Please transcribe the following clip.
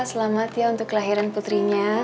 selamat ya untuk kelahiran putrinya